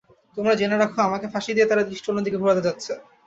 তোমরা জেনে রাখো, আমাকে ফাঁসি দিয়ে তাঁরা দৃষ্টি অন্যদিকে ঘোরাতে যাচ্ছে।